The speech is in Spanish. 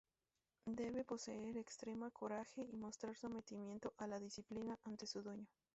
Debe poseer extrema coraje y mostrar sometimiento a la disciplina ante su dueño.